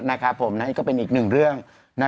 นะครับผมนี่ก็เป็นอีกหนึ่งเรื่อง